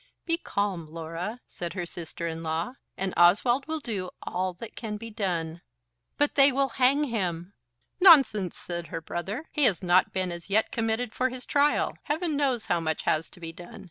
"Be calm, Laura," said her sister in law, "and Oswald will do all that can be done." "But they will hang him." "Nonsense!" said her brother. "He has not been as yet committed for his trial. Heaven knows how much has to be done.